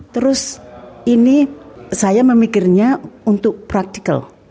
terus ini saya memikirnya untuk praktikal